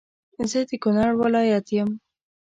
زه د کونړ ولایت يم